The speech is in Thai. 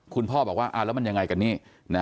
คุณพ่อบอกว่าแล้วมันยังไงกันนี่